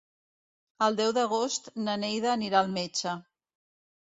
El deu d'agost na Neida anirà al metge.